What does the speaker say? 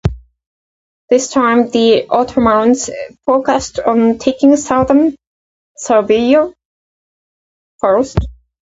This time, the Ottomans focused on taking southern Serbia first.